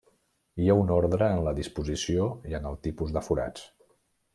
Hi ha un ordre en la disposició i en el tipus de forats.